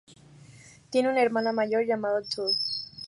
Tiene un hermano mayor llamado Todd.